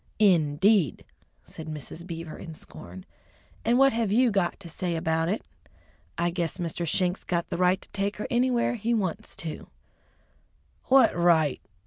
"In deed!" said Mrs. Beaver in scorn. "And what have you got to say about it? I guess Mr. Schenk's got the right to take her anywhere he wants to!" "What right?"